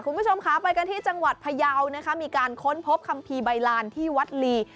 คุณผู้ชมค่ะไปกันที่จังหวัดพยาวนะคะมีการค้นพบคัมภีร์ใบลานที่วัดลี